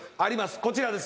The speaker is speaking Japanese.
こちらです。